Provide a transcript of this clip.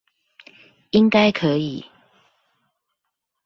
應該可以